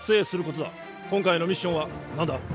今回のミッションは何だ？